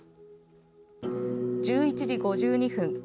１１時５２分